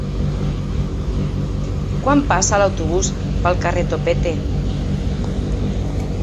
Quan passa l'autobús pel carrer Topete?